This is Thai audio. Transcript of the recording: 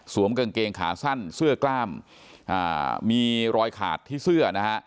กางเกงขาสั้นเสื้อกล้ามอ่ามีรอยขาดที่เสื้อนะฮะ